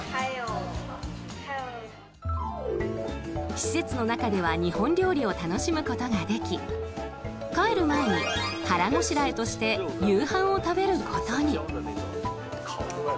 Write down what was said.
施設の中では日本料理を楽しむことができ帰る前に腹ごしらえとして夕飯を食べることに。